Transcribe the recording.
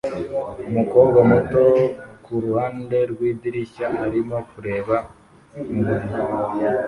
Umukobwa muto kuruhande rwidirishya arimo kureba muburiri